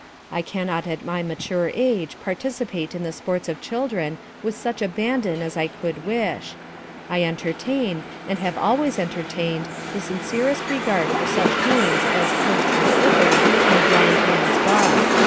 I cannot at my mature age participate in the sports of children with such abandon as I could wish. I entertain, and have always entertained, the sincerest regard for such games as Hunt the Slipper and Blind Man's Buff.